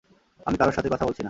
আমি কারও সাথে কথা বলছি না।